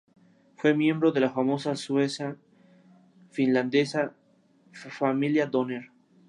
Fue miembro de la famosa sueca finlandesa familia Donner.